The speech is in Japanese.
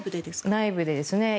内部でですね。